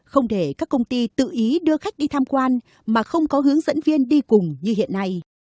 không để các công ty tự ý đưa khách đi tham quan mà không có hướng dẫn viên đi cùng như hiện nay